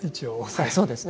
はいそうですね。